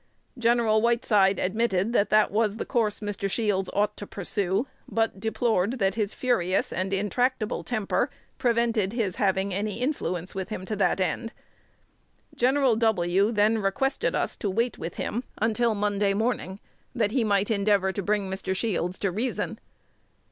Gen. Whiteside admitted that that was the course Mr. Shields ought to pursue, but deplored that his furious and intractable temper prevented his having any influence with him to that end. Gen. W. then requested us to wait with him until Monday morning, that he might endeavor to bring Mr. Shields to reason.